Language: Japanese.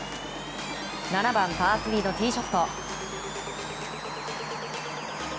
７番、パー３のティーショット。